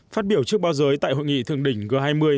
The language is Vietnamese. phát biểu trước báo giới tại hội nghị thượng đỉnh g hai mươi